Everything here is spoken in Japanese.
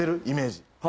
イメージ。